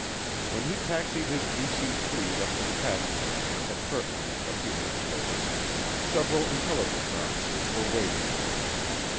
When he taxied his DC 3 up to the passenger ramp at Kirtland a few minutes later, several intelligence officers were waiting for him.